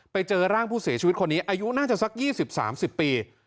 ไปเจอร่างผู้เสียชีวิตคนนี้อายุน่าจะสัก๒๐๓๐ปี